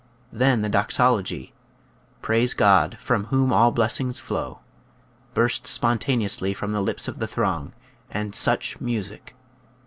Then the doxology, "Praise God, from whom all blessings flow," burst spontaneously from the lips of the throng; and such music!